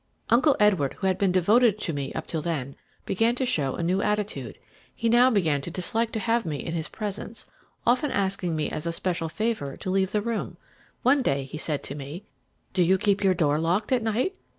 Uncle Edward, who had been devoted to me up to then, began to show a new attitude. He now began to dislike to have me in his presence, often asking me as a special favour to leave the room. One day he said to me: "'Do you keep your door locked at night?'